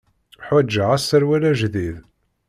Ḥwaǧeɣ aserwal ajdid.